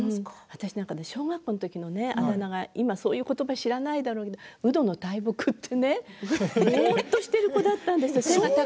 私、小学校の時のあだ名が今そういう言葉が知らないだろうけれどもウドの大木、ぼーっとしている子だったんですよ。